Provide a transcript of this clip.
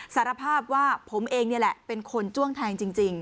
สารภาพว่าผมเองนี่แหละเป็นคนจ้วงแทงจริง